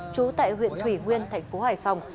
chú tại huyện thủy nguyên thành phố hải phòng